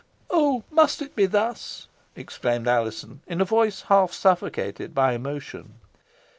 "Oh! must it be thus?" exclaimed Alizon, in a voice half suffocated by emotion.